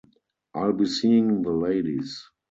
I'll be seeing the ladies.